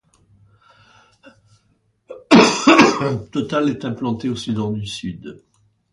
Total est implantée au Soudan du Sud.